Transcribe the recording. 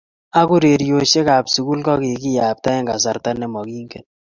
ak ureriosiekab sukul ko kikiyapta eng kasarta nemokingen